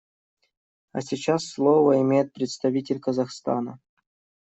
А сейчас слово имеет представитель Казахстана.